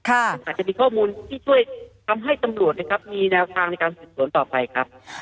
อาจจะมีข้อมูลที่ช่วยทำให้ตำรวจมีแนวทางในการส่งส่วนต่อไปครับ